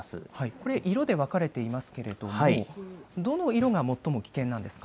これ、色で分かれていますけれどもどの色が最も危険なんですか。